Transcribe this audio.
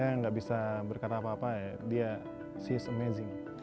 saya nggak bisa berkata apa apa ya dia sisemezing